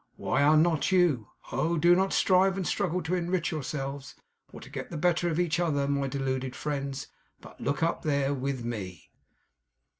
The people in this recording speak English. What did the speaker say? Why are not you? Oh! do not strive and struggle to enrich yourselves, or to get the better of each other, my deluded friends, but look up there, with me!